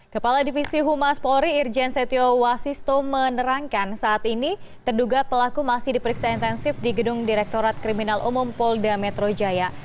kepala divisi humas polri irjen setio wasisto menerangkan saat ini terduga pelaku masih diperiksa intensif di gedung direktorat kriminal umum polda metro jaya